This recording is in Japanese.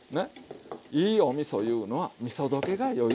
いいおみそいうのはみそ溶けがよい。